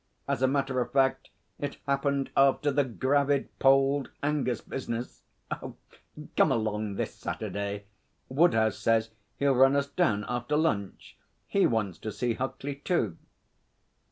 As a matter of fact, it happened after "the gravid polled Angus" business. Come along this Saturday. Woodhouse says he'll run us down after lunch. He wants to see Huckley too.'